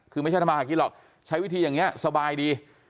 คือไม่ใช่ทำมาหากินหรอกใช้วิธีอย่างนี้สบายดี